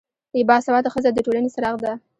با سواده ښځه دټولنې څراغ ده